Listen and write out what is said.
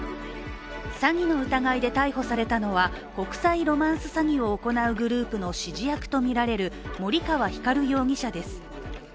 詐欺の疑いで逮捕されたのは国際ロマンス詐欺を行うグループの指示役とみられる森川光容疑者です。